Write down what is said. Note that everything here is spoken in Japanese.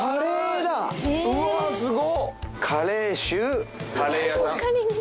うわすご。